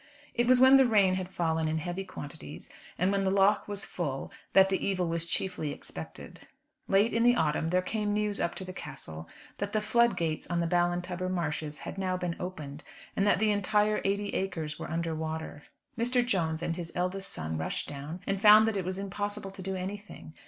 It was when the rain had fallen in heavy quantities, and when the Lough was full that the evil was chiefly expected. Late in the autumn there came news up to the Castle, that the flood gates on the Ballintubber marshes had now been opened, and that the entire eighty acres were under water. Mr. Jones and his eldest son rushed down, and found that it was impossible to do anything.